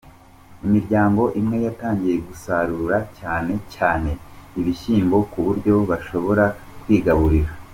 Imiryango imwe yatangiye gusarura, cyane cyane ibishyimbo ku buryo bashobora kwigaburira.